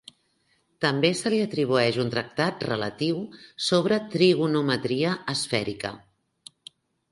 També se li atribueix un tractat relatiu sobre trigonometria esfèrica.